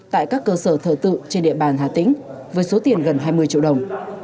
tại các cơ sở thờ tự trên địa bàn hà tĩnh với số tiền gần hai mươi triệu đồng